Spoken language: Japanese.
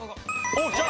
おおきた！